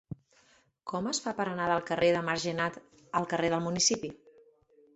Com es fa per anar del carrer de Margenat al carrer del Municipi?